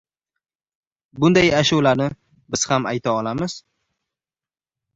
Bunday ashulani biz ham ayta olamiz!